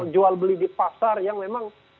jual beli di pasar yang memang